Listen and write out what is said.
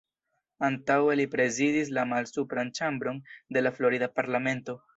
Antaŭe li prezidis la malsupran ĉambron de la florida parlamento.